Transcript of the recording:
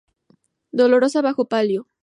Dolorosa bajo palio.